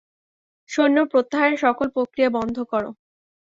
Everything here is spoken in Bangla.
সৈন্য প্রত্যাহারের সকল প্রক্রিয়া বন্ধ কর!